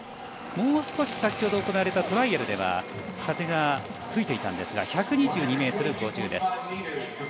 もう少し先ほど行われたトライアルでは風が吹いていたんですが１２２ｍ５０です。